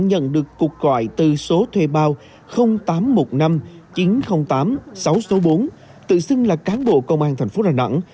nhận được cuộc gọi từ số thuê bao tám trăm một mươi năm chín trăm linh tám sáu trăm sáu mươi bốn tự xưng là cán bộ công an thành phố đà nẵng